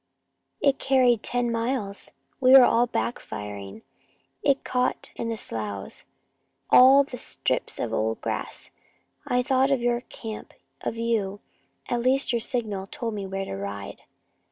"It carried ten miles. We were all back firing. It caught in the sloughs all the strips of old grass. I thought of your camp, of you. At least your signal told me where to ride."